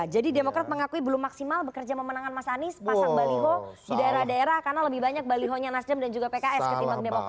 jadi demokrat mengakui belum maksimal bekerja memenangkan mas anies pasang baliho di daerah daerah karena lebih banyak baliho nya nasdem dan juga pks ketimbang demokrat